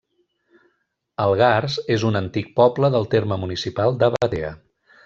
Algars és un antic poble del terme municipal de Batea.